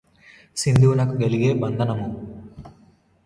సింధువునకు గలిగె బంధనమ్ము